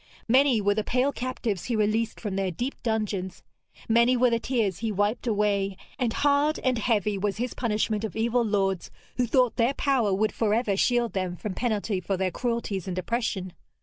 Many were the pale captives he released from their deep dungeons, many were the tears he wiped away, and hard and heavy was his punishment of evil lords who thought their power would for ever shield them from penalty for their cruelties and oppression.